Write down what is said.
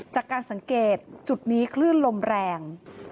จากการสังเกตจุดนี้คลื่นลมแรง